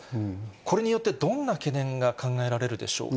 これによってどんな懸念が考えられるでしょうか。